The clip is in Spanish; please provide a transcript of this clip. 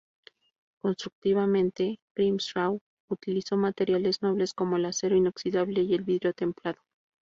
Constructivamente Grimshaw utilizó materiales nobles como el acero inoxidable y el vidrio templado.